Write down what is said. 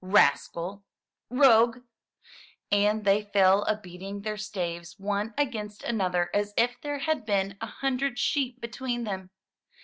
"Rascal!" "Rogue!" And they fell a beating their staves one against another as if there had been an hundred sheep between them.